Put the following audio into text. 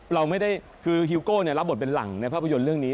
เราไม่ได้คือฮิวโก้รับบทเป็นหลังในภาพยนตร์เรื่องนี้